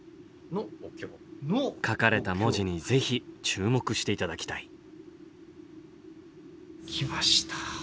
書かれた文字にぜひ注目して頂きたい。来ました。